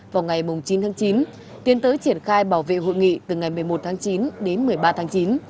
vào ngày chín tháng chín tiến tới triển khai bảo vệ hội nghị từ ngày một mươi một tháng chín đến một mươi ba tháng chín